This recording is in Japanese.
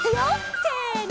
せの！